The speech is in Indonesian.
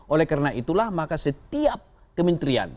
oleh karena itulah maka setiap kementerian